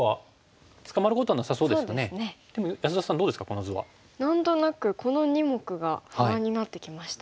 この図は。何となくこの２目が不安になってきましたね。